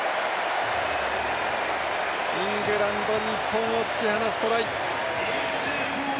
イングランド日本を突き放すトライ。